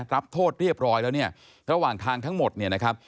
รับโทษเรียบร้อยแล้วเนี่ยระหว่างทางทั้งหมดเนี่ยนะครับ